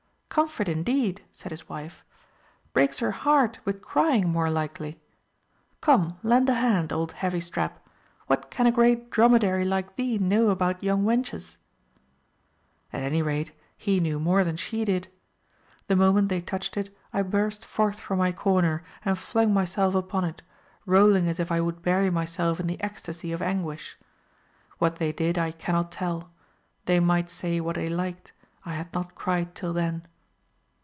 "Comfort indeed!" said his wife; "breaks her heart with, crying, more likely. Come, lend a hand, old heavy strap; what can a great dromedary like thee know about young wenches?" At any rate he knew more than she did. The moment they touched it I burst forth from my corner, and flung myself upon it, rolling as if I would bury myself in the ecstasy of anguish. What they did I cannot tell; they might say what they liked, I had not cried till then.